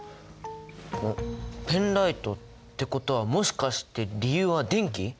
おっペンライトってことはもしかして理由は電気？